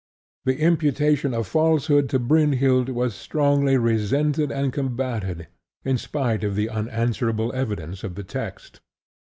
The imputation of falsehood to Brynhild was strongly resented and combated, in spite of the unanswerable evidence of the text.